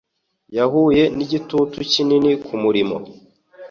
Yahuye nigitutu kinini kumurimo